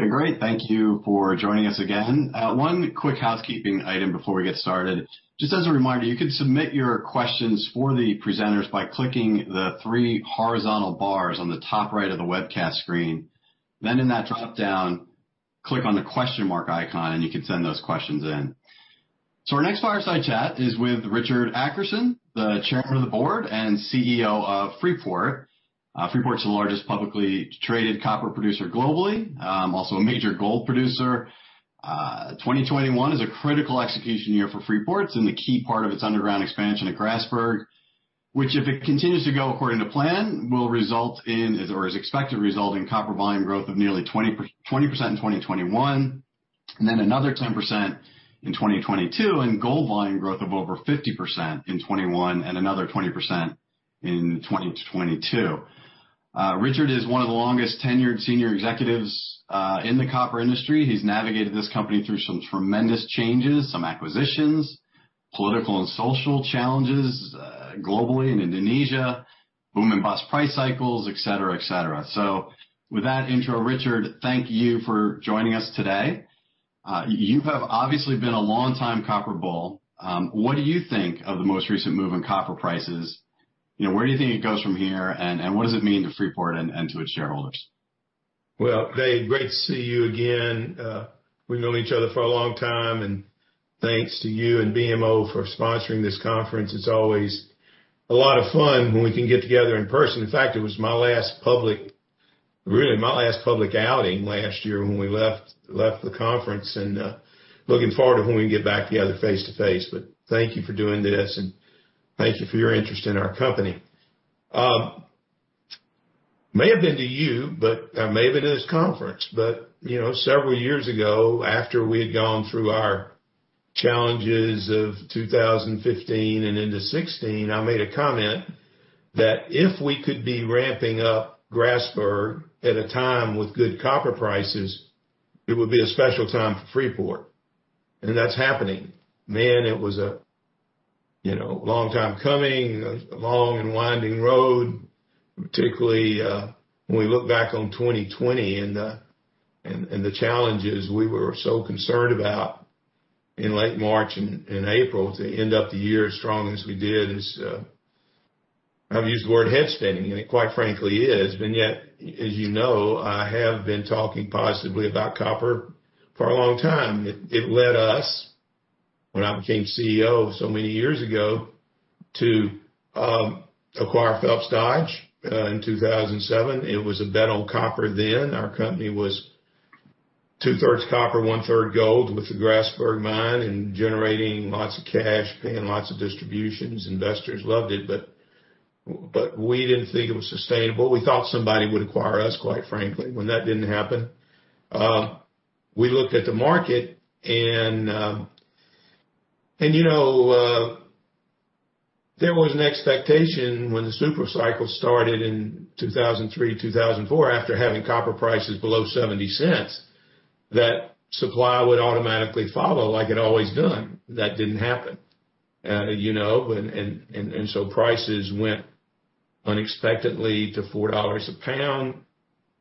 Okay, great. Thank you for joining us again. One quick housekeeping item before we get started. Just as a reminder, you can submit your questions for the presenters by clicking the three horizontal bars on the top right of the webcast screen. In that drop-down, click on the question mark icon, and you can send those questions in. Our next fireside chat is with Richard Adkerson, the Chairman of the Board and CEO of Freeport. Freeport is the largest publicly traded copper producer globally, also a major gold producer. 2021 is a critical execution year for Freeport and the key part of its underground expansion at Grasberg, which, if it continues to go according to plan, will result in, or is expected to result in copper volume growth of nearly 20% in 2021, and then another 10% in 2022, and gold volume growth of over 50% in 2021 and another 20% in 2022. Richard is one of the longest-tenured senior executives in the copper industry. He's navigated this company through some tremendous changes, some acquisitions, political and social challenges, globally in Indonesia, boom and bust price cycles, et cetera. With that intro, Richard, thank you for joining us today. You have obviously been a long-time copper bull. What do you think of the most recent move in copper prices? Where do you think it goes from here, and what does it mean to Freeport and to its shareholders? Dave, great to see you again. We've known each other for a long time, and thanks to you and BMO for sponsoring this conference. It's always a lot of fun when we can get together in person. It was really my last public outing last year when we left the conference, and looking forward to when we can get back together face-to-face. Thank you for doing this, and thank you for your interest in our company. May have been to you, but may have been at this conference, but several years ago, after we had gone through our challenges of 2015 and into 2016, I made a comment that if we could be ramping up Grasberg at a time with good copper prices, it would be a special time for Freeport, and that's happening. Man, it was a long time coming, a long and winding road, particularly when we look back on 2020 and the challenges we were so concerned about in late March and April, to end up the year as strong as we did is, I've used the word head-spinning, and it quite frankly is. Yet, as you know, I have been talking positively about copper for a long time. It led us, when I became CEO so many years ago, to acquire Phelps Dodge in 2007. It was a bet on copper then. Our company was two-thirds copper, one-third gold with the Grasberg mine and generating lots of cash, paying lots of distributions. Investors loved it, but we didn't think it was sustainable. We thought somebody would acquire us, quite frankly. When that didn't happen, we looked at the market and there was an expectation when the super cycle started in 2003, 2004, after having copper prices below $0.70, that supply would automatically follow like it always done. That didn't happen. Prices went unexpectedly to $4 a pound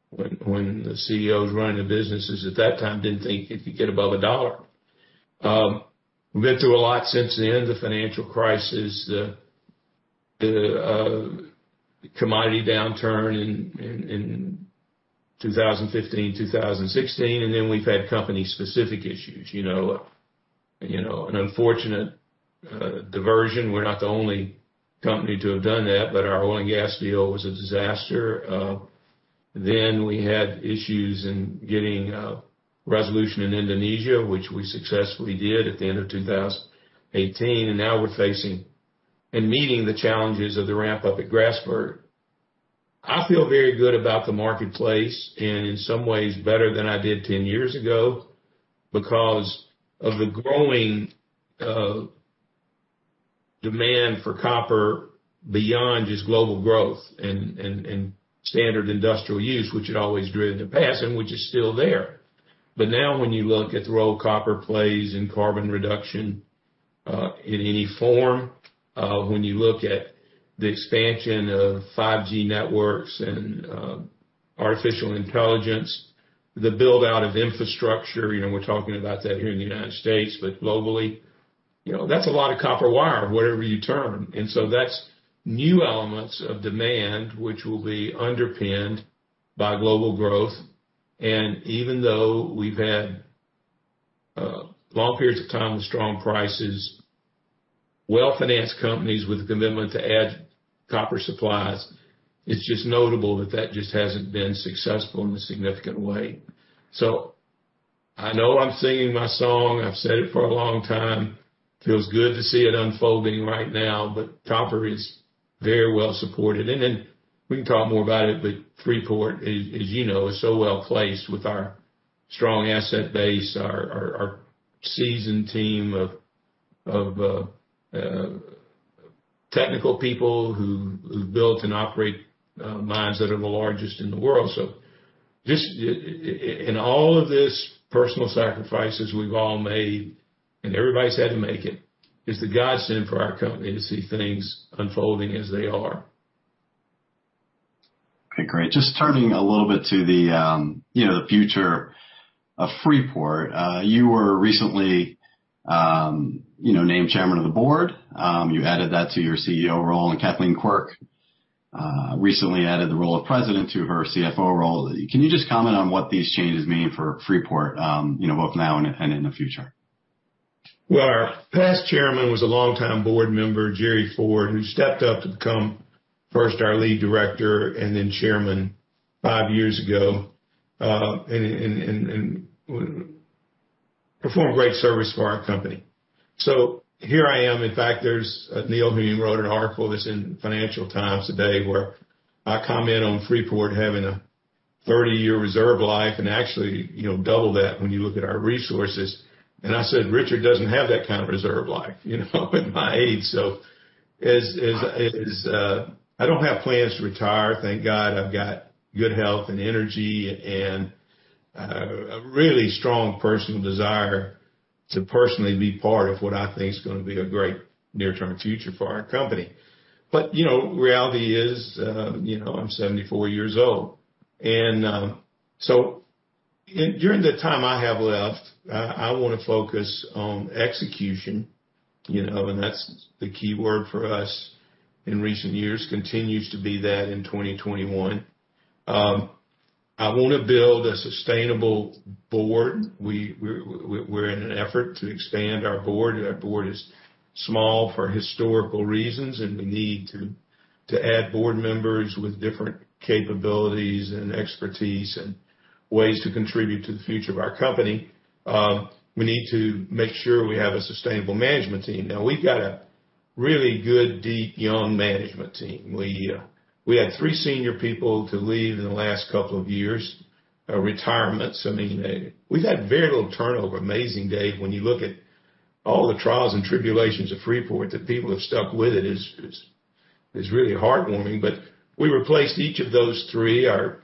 when the CEOs running the businesses at that time didn't think it could get above $1. We've been through a lot since the end of the financial crisis, the commodity downturn in 2015, 2016, and then we've had company-specific issues. An unfortunate diversion, we're not the only company to have done that, but our oil and gas deal was a disaster. We had issues in getting resolution in Indonesia, which we successfully did at the end of 2018, and now we're facing and meeting the challenges of the ramp-up at Grasberg. I feel very good about the marketplace and in some ways better than I did 10 years ago because of the growing demand for copper beyond just global growth and standard industrial use, which had always driven the past and which is still there. Now when you look at the role copper plays in carbon reduction, in any form, when you look at the expansion of 5G networks and artificial intelligence, the build-out of infrastructure, we're talking about that here in the U.S., but globally, that's a lot of copper wire, whatever you term. That's new elements of demand which will be underpinned by global growth. Even though we've had long periods of time with strong prices, well-financed companies with a commitment to add copper supplies, it's just notable that that just hasn't been successful in a significant way. I know I'm singing my song. I've said it for a long time. Feels good to see it unfolding right now, copper is very well supported. We can talk more about it, Freeport, as you know, is so well-placed with our strong asset base, our seasoned team of technical people who built and operate mines that are the largest in the world. In all of this, personal sacrifices we've all made. And everybody's had to make it. It's a godsend for our company to see things unfolding as they are. Okay, great. Just turning a little bit to the future of Freeport. You were recently named Chairman of the Board. You added that to your CEO role. Kathleen Quirk recently added the role of President to her CFO role. Can you just comment on what these changes mean for Freeport, both now and in the future? Our past Chairman was a longtime board member, Jerry Ford, who stepped up to become first our lead director and then Chairman five years ago, and performed great service for our company. Here I am. In fact, there's Neil Hume, who wrote an article that's in Financial Times today, where I comment on Freeport having a 30-year reserve life and actually double that when you look at our resources. I said, "Richard doesn't have that kind of reserve life," at my age. I don't have plans to retire. Thank God I've got good health and energy and a really strong personal desire to personally be part of what I think is going to be a great near-term future for our company. Reality is, I'm 74 years old, during the time I have left, I want to focus on execution. That's the key word for us in recent years, continues to be that in 2021. I want to build a sustainable board. We're in an effort to expand our board. Our board is small for historical reasons, and we need to add board members with different capabilities and expertise and ways to contribute to the future of our company. We need to make sure we have a sustainable management team. Now, we've got a really good, deep, young management team. We had three senior people to leave in the last couple of years, retirements. We've had very little turnover. Amazing, Dave, when you look at all the trials and tribulations of Freeport that people have stuck with it, is really heartwarming. We replaced each of those three, our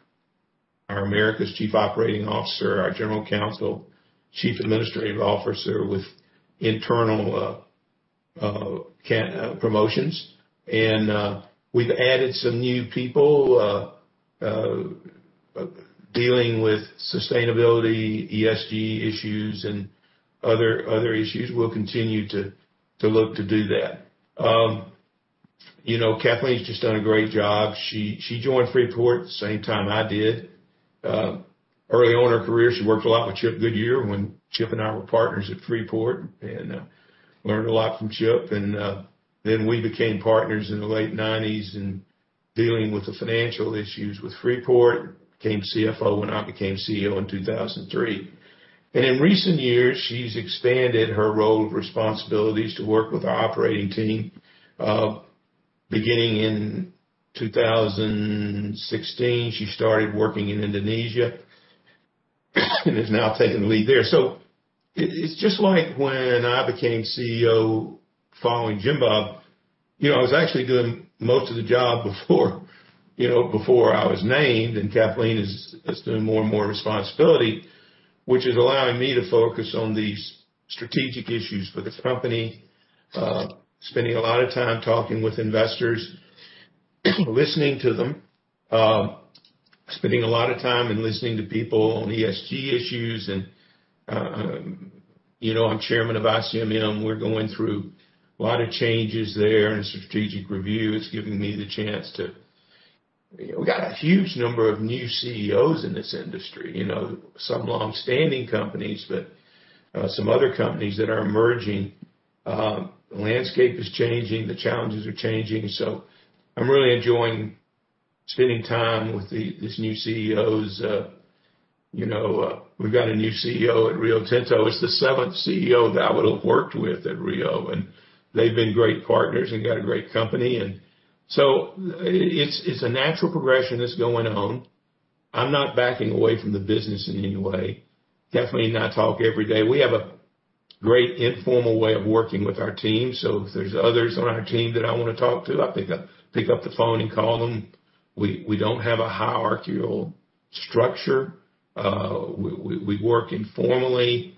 Americas Chief Operating Officer, our General Counsel, Chief Administrative Officer, with internal promotions. We've added some new people dealing with sustainability, ESG issues, and other issues. We'll continue to look to do that. Kathleen's just done a great job. She joined Freeport the same time I did. Early on in her career, she worked a lot with Chip Goodyear when Chip and I were partners at Freeport and learned a lot from Chip. We became partners in the late '90s and dealing with the financial issues with Freeport, became CFO when I became CEO in 2003. In recent years, she's expanded her role and responsibilities to work with our operating team. Beginning in 2016, she started working in Indonesia and is now taking the lead there. It's just like when I became CEO following Jim Bob, I was actually doing most of the job before I was named, and Kathleen is doing more and more responsibility, which is allowing me to focus on these strategic issues for the company. Spending a lot of time talking with investors, listening to them. Spending a lot of time and listening to people on ESG issues, and I'm Chairman of ICMM. We're going through a lot of changes there and strategic review. We've got a huge number of new CEOs in this industry. Some longstanding companies, but some other companies that are emerging. The landscape is changing, the challenges are changing. I'm really enjoying spending time with these new CEOs. We've got a new CEO at Rio Tinto, it's the seventh CEO that I would've worked with at Rio. They've been great partners and got a great company. It's a natural progression that's going on. I'm not backing away from the business in any way. Kathleen and I talk every day. We have a great informal way of working with our team, so if there's others on our team that I want to talk to, I pick up the phone and call them. We don't have a hierarchical structure. We work informally,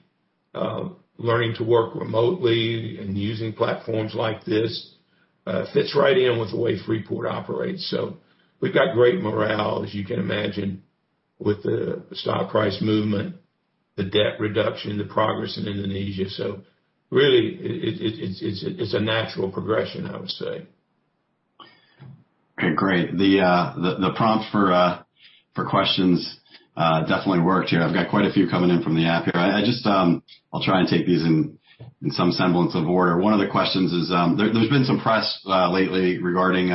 learning to work remotely and using platforms like this fits right in with the way Freeport operates. We've got great morale, as you can imagine, with the stock price movement, the debt reduction, the progress in Indonesia. Really, it's a natural progression, I would say. Okay, great. The prompt for questions definitely worked here. I've got quite a few coming in from the app here. I'll try and take these in some semblance of order. One of the questions is, there's been some press lately regarding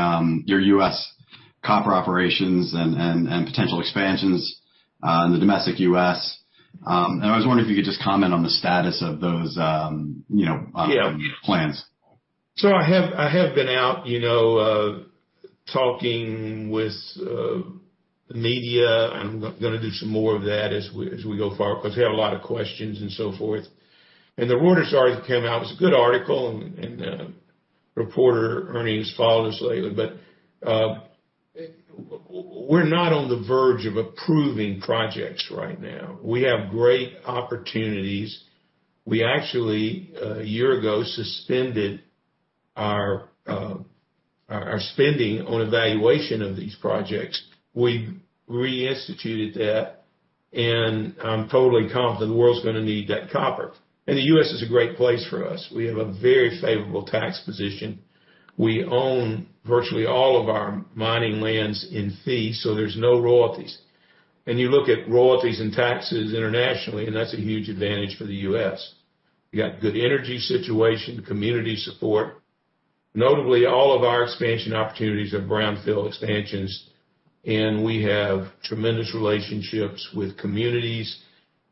your U.S. copper operations and potential expansions in the domestic U.S., and I was wondering if you could just comment on the status of those plans. I have been out talking with media, and I'm going to do some more of that as we go forward because we have a lot of questions and so forth. The Reuters article came out, it was a good article, reporter earnings followed us lately. We're not on the verge of approving projects right now. We have great opportunities. We actually, a year ago, suspended our spending on evaluation of these projects. We reinstituted that, and I'm totally confident the world's going to need that copper. The U.S. is a great place for us. We have a very favorable tax position. We own virtually all of our mining lands in fee, so there's no royalties. You look at royalties and taxes internationally, and that's a huge advantage for the U.S. You got good energy situation, community support. Notably, all of our expansion opportunities are brownfield expansions, and we have tremendous relationships with communities,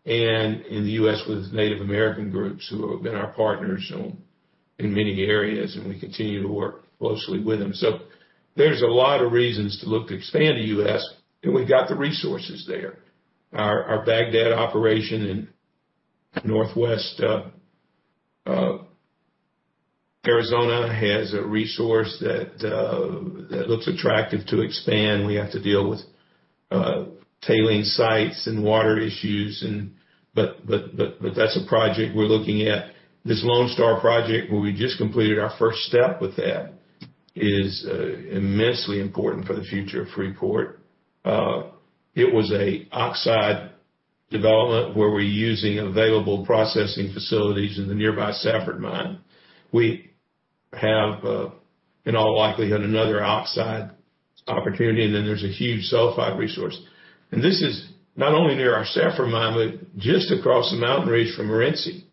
and in the U.S. with Native American groups who have been our partners in many areas, and we continue to work closely with them. There's a lot of reasons to look to expand to U.S., and we got the resources there. Our Bagdad operation in northwest Arizona has a resource that looks attractive to expand. We have to deal with tailing sites and water issues, but that's a project we're looking at. This Lone Star project, where we just completed our first step with that, is immensely important for the future of Freeport. It was an oxide development where we're using available processing facilities in the nearby Safford mine. We have, in all likelihood, another oxide opportunity, and then there's a huge sulfide resource. This is not only near our Safford mine, but just across the mountain range from Morenci.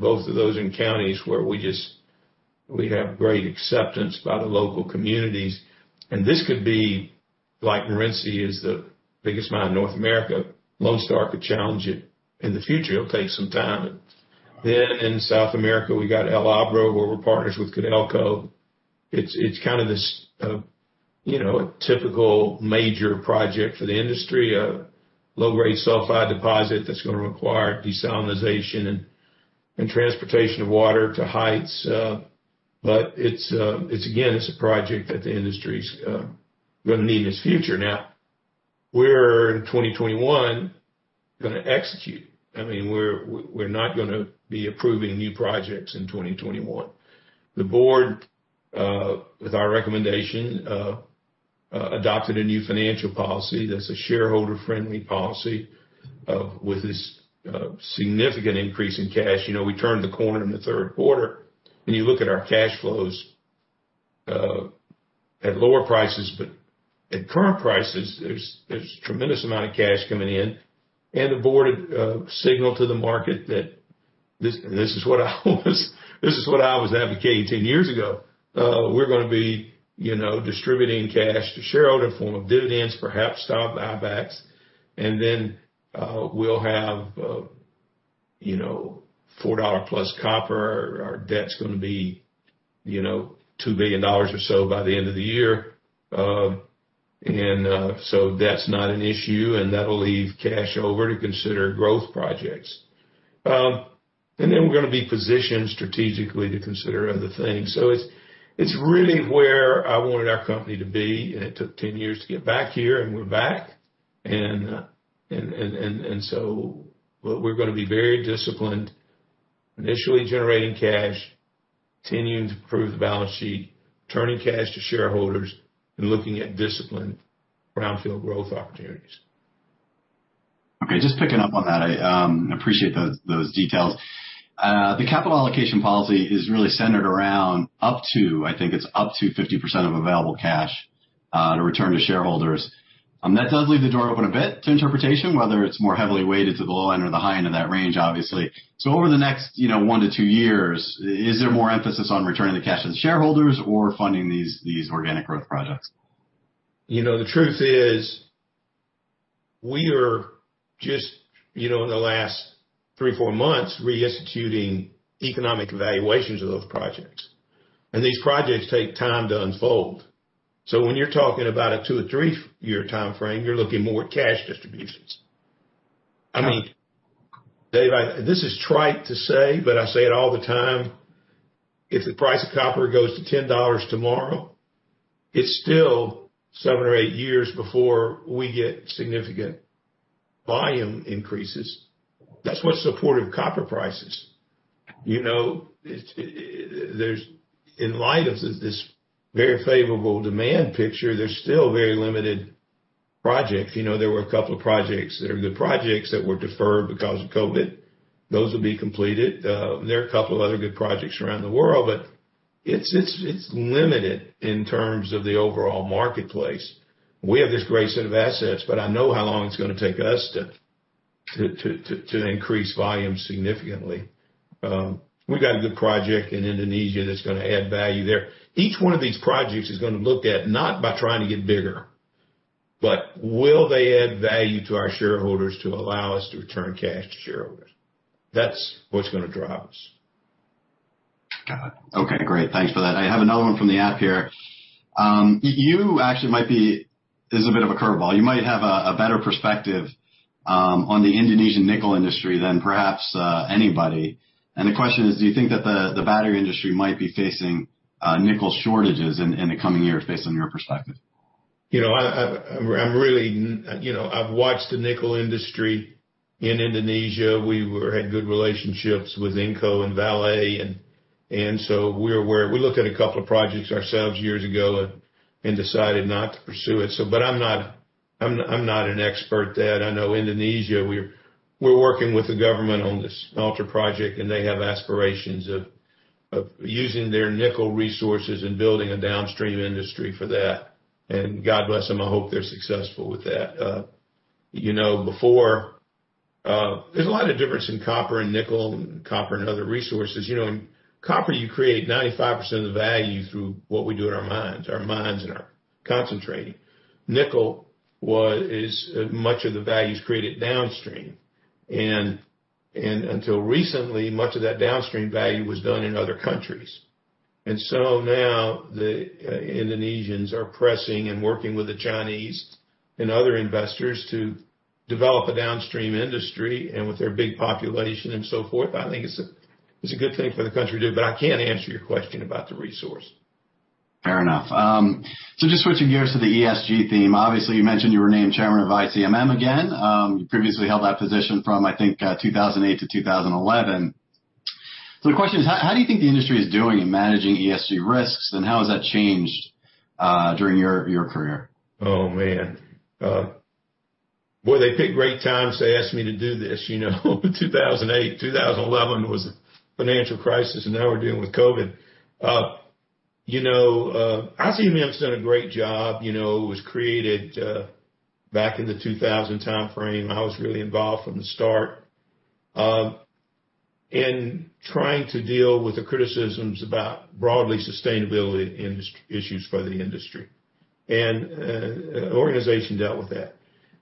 Both of those in counties where we have great acceptance by the local communities. This could be, like Morenci is the biggest mine in North America, Lone Star could challenge it in the future. It'll take some time. In South America, we got El Abra, where we're partners with Codelco. It's kind of this typical major project for the industry of low-grade sulfide deposit that's going to require desalination and transportation of water to heights. Again, it's a project that the industry's going to need in its future. Where in 2021, going to execute? We're not going to be approving new projects in 2021. The board, with our recommendation, adopted a new financial policy that's a shareholder-friendly policy, with this significant increase in cash. We turned the corner in the third quarter, when you look at our cash flows at lower prices, but at current prices, there's tremendous amount of cash coming in. The board had signaled to the market that, this is what I was advocating 10 years ago, we're going to be distributing cash to shareholder in form of dividends, perhaps stock buybacks. We'll have $4+ copper. Our debt's going to be $2 billion or so by the end of the year. That's not an issue, and that'll leave cash over to consider growth projects. We're going to be positioned strategically to consider other things. It's really where I wanted our company to be, and it took 10 years to get back here and we're back. We're going to be very disciplined, initially generating cash, continuing to improve the balance sheet, turning cash to shareholders, and looking at disciplined brownfield growth opportunities. Okay, just picking up on that. I appreciate those details. The capital allocation policy is really centered around up to, I think it's up to 50% of available cash to return to shareholders. That does leave the door open a bit to interpretation, whether it's more heavily weighted to the low end or the high end of that range, obviously. Over the next one to two years, is there more emphasis on returning the cash to the shareholders or funding these organic growth projects? The truth is, we are just in the last three, four months, reinstituting economic evaluations of those projects. These projects take time to unfold. When you're talking about a two- or three-year timeframe, you're looking more at cash distributions. Got it. Dave, this is trite to say, but I say it all the time. If the price of copper goes to $10 tomorrow, it's still seven or eight years before we get significant volume increases. That's what's supportive of copper prices. In light of this very favorable demand picture, there's still very limited projects. There were a couple of projects that were deferred because of COVID. Those will be completed. There are a couple of other good projects around the world, but it's limited in terms of the overall marketplace. We have this great set of assets, but I know how long it's going to take us to increase volume significantly. We got a good project in Indonesia that's going to add value there. Each one of these projects is going to look at not by trying to get bigger, but will they add value to our shareholders to allow us to return cash to shareholders? That's what's going to drive us. Got it. Okay, great. Thanks for that. I have another one from the app here. You actually might be, this is a bit of a curve ball. You might have a better perspective on the Indonesian nickel industry than perhaps anybody. The question is, do you think that the battery industry might be facing nickel shortages in the coming years based on your perspective? I've watched the nickel industry in Indonesia. We had good relationships with Inco and Vale, we looked at a couple of projects ourselves years ago and decided not to pursue it. I'm not an expert at that. I know Indonesia, we're working with the government on this smelter project, they have aspirations of using their nickel resources and building a downstream industry for that. God bless them, I hope they're successful with that. There's a lot of difference in copper and nickel, copper and other resources. Copper, you create 95% of the value through what we do in our mines, our mines and our concentrating. Nickel, much of the value is created downstream. Until recently, much of that downstream value was done in other countries. Now, the Indonesians are pressing and working with the Chinese and other investors to develop a downstream industry, and with their big population and so forth, I think it's a good thing for the country to do. I can't answer your question about the resource. Fair enough. Just switching gears to the ESG theme. Obviously, you mentioned you were named Chairman of ICMM again. You previously held that position from, I think, 2008-2011. The question is, how do you think the industry is doing in managing ESG risks, and how has that changed during your career? Oh, man. Boy, they pick great times to ask me to do this 2008. 2011 was a financial crisis, and now we're dealing with COVID. ICMM's done a great job. It was created back in the 2000 timeframe. I was really involved from the start, in trying to deal with the criticisms about broadly sustainability issues for the industry. The organization dealt with that.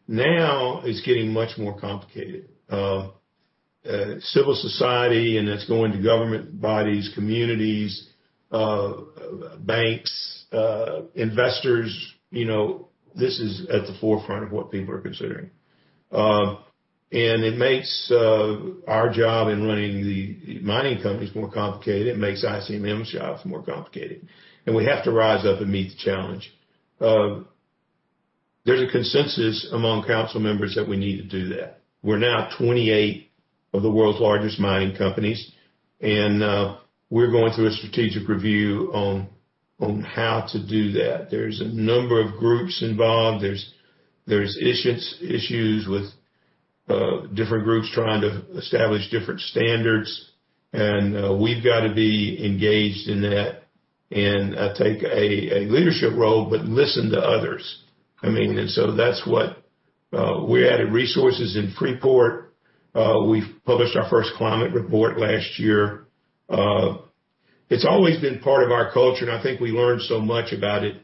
Now it's getting much more complicated. Civil society, and it's going to government bodies, communities, banks, investors. This is at the forefront of what people are considering. It makes our job in running the mining companies more complicated. It makes ICMM's jobs more complicated. We have to rise up and meet the challenge. There's a consensus among council members that we need to do that. We're now 28 of the world's largest mining companies. We're going through a strategic review on how to do that. There's a number of groups involved. There's issues with different groups trying to establish different standards. We've got to be engaged in that and take a leadership role, listen to others. That's what we added resources in Freeport. We've published our first climate report last year. It's always been part of our culture. I think we learned so much about it,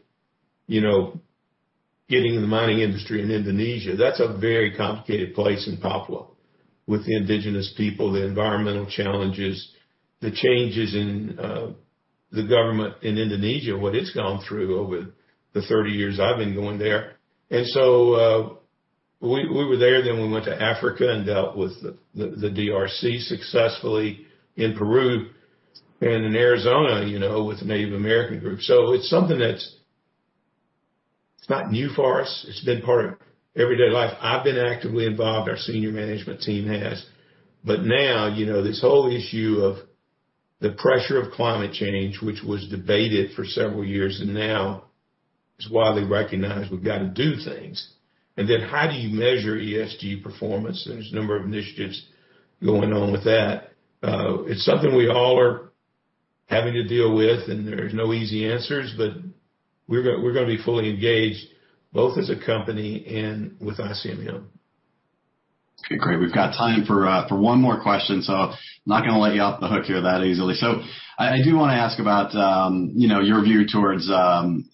getting in the mining industry in Indonesia. That's a very complicated place in Papua with the indigenous people, the environmental challenges, the changes in the government in Indonesia, what it's gone through over the 30 years I've been going there. We were there, then we went to Africa and dealt with the DRC successfully in Peru and in Arizona with the Native American group. It's something that's not new for us. It's been part of everyday life. I've been actively involved, our senior management team has. Now, this whole issue of the pressure of climate change, which was debated for several years and now is widely recognized, we've got to do things. Then how do you measure ESG performance? There's a number of initiatives going on with that. It's something we all are having to deal with, and there's no easy answers, but we're going to be fully engaged, both as a company and with ICMM. Okay, great. We've got time for one more question. I'm not going to let you off the hook here that easily. I do want to ask about your view towards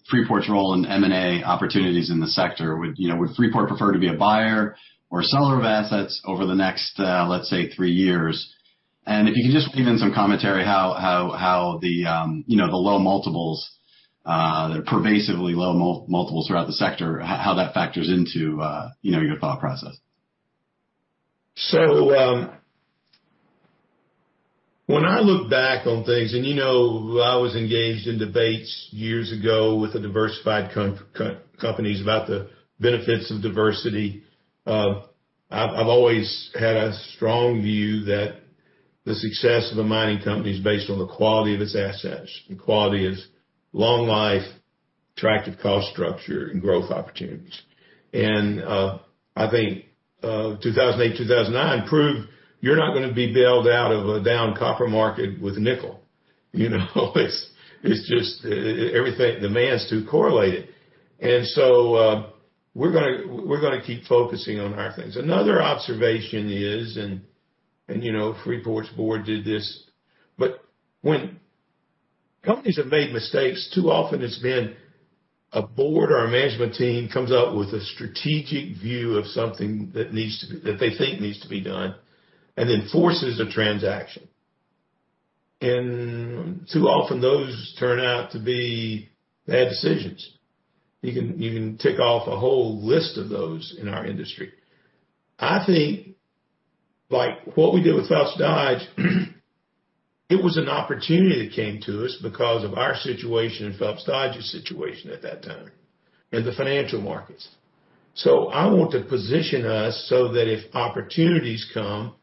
Freeport's role in M&A opportunities in the sector. Would Freeport prefer to be a buyer or seller of assets over the next, let's say, three years? If you can just weave in some commentary how the low multiples, pervasively low multiples throughout the sector, how that factors into your thought process? When I look back on things, I was engaged in debates years ago with the diversified companies about the benefits of diversity. I've always had a strong view that the success of a mining company is based on the quality of its assets. Quality is long life, attractive cost structure, and growth opportunities. I think 2008, 2009 proved you're not going to be bailed out of a down copper market with nickel. The demand's too correlated. We're going to keep focusing on our things. Another observation is, and Freeport's board did this, but when companies have made mistakes, too often it's been a board or a management team comes up with a strategic view of something that they think needs to be done, and then forces a transaction. Too often those turn out to be bad decisions. You can tick off a whole list of those in our industry. I think what we did with Phelps Dodge, it was an opportunity that came to us because of our situation and Phelps Dodge's situation at that time in the financial markets. I want to position us so that if opportunities come,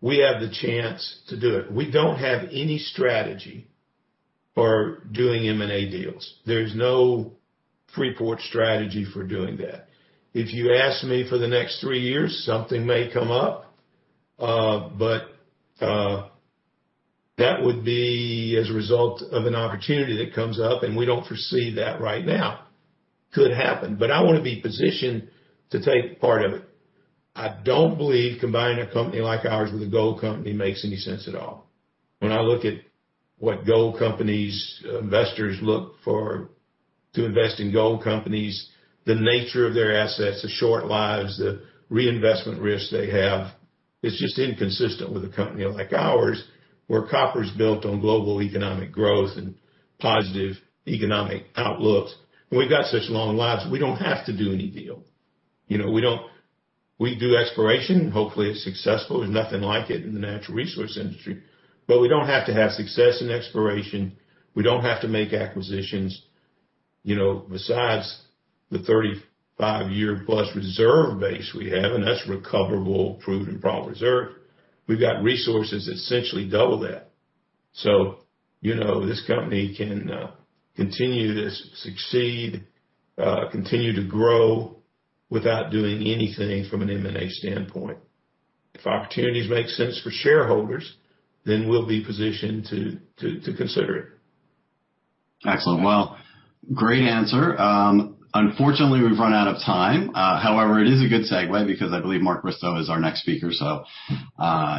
we have the chance to do it. We don't have any strategy for doing M&A deals. There's no Freeport strategy for doing that. If you ask me for the next three years, something may come up, but that would be as a result of an opportunity that comes up, and we don't foresee that right now. Could happen, but I want to be positioned to take part of it. I don't believe combining a company like ours with a gold company makes any sense at all. When I look at what gold companies' investors look for to invest in gold companies, the nature of their assets, the short lives, the reinvestment risks they have, it's just inconsistent with a company like ours, where copper's built on global economic growth and positive economic outlooks. We've got such long lives, we don't have to do any deal. We do exploration. Hopefully it's successful. There's nothing like it in the natural resource industry. We don't have to have success in exploration. We don't have to make acquisitions. Besides the 35-year+ reserve base we have, and that's recoverable, proven, and probable reserve, we've got resources essentially double that. This company can continue to succeed, continue to grow without doing anything from an M&A standpoint. If opportunities make sense for shareholders, then we'll be positioned to consider it. Excellent. Well, great answer. Unfortunately, we've run out of time. It is a good segue because I believe Mark Bristow is our next speaker, so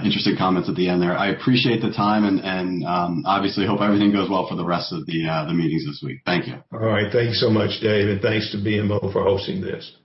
interesting comments at the end there. I appreciate the time and obviously hope everything goes well for the rest of the meetings this week. Thank you. All right. Thanks so much, Dave, and thanks to BMO for hosting this.